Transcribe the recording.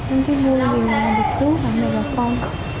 em thấy vui vì mình cứu cả mẹ và con